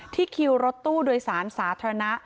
คิวรถตู้โดยสารสาธารณะ